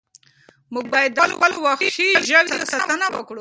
موږ باید د خپلو وحشي ژویو ساتنه وکړو.